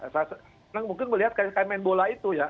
saya senang mungkin melihat kayak main bola itu ya